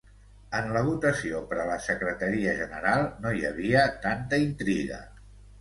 En la votació per a la secretaria general no hi havia tanta intriga.